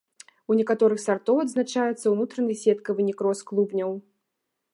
У некаторых сартоў адзначаецца ўнутраны сеткавы некроз клубняў.